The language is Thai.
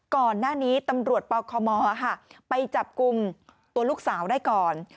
ก่อนหน้านี้ตำรวจเปล่าคอมอค่ะไปจับกุมตัวลูกสาวได้ก่อน